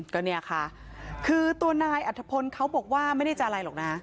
ก็เนี่ยค่ะคือตัวนายอัธพลเขาบอกว่าไม่ได้จะอะไรหรอกนะ